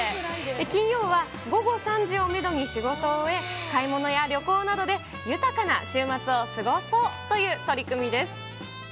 金曜は午後３時をメドに仕事を終え、買い物や旅行などで豊かな週末を過ごそうという取り組みです。